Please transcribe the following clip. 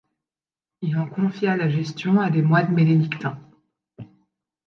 Il en confia la gestion à des moines bénédictins.